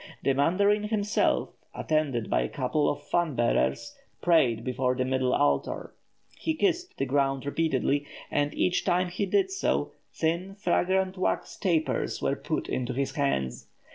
The mandarin himself, attended by a couple of fan bearers, prayed before the middle altar. He kissed the ground repeatedly, and each time he did so, thin, fragrant wax tapers were put into his hands.